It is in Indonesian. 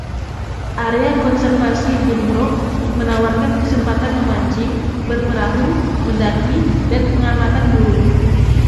Area Konservasi Binbrook menawarkan kesempatan memancing, berperahu, mendaki dan pengamatan burung.